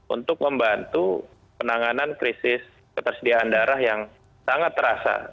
untuk membantu penanganan krisis ketersediaan darah yang sangat terasa